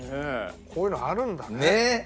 こういうのあるんだね。